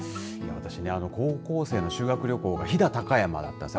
私高校生の修学旅行が飛騨高山です。